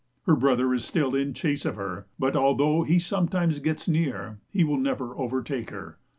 Her brother is still in chase of her, but although he sometimes gets near, he will never overtake her.